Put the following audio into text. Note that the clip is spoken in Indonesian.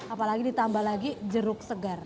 apalagi ditambah lagi jeruk segar